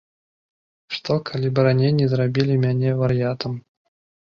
Што, калі б раненні зрабілі мяне вар'ятам?